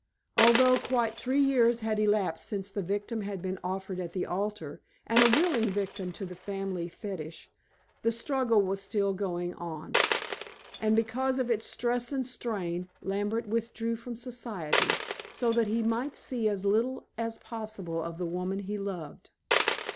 Although quite three years had elapsed since the victim had been offered at the altar and a willing victim to the family fetish the struggle was still going on. And because of its stress and strain, Lambert withdrew from society, so that he might see as little as possible of the woman he loved.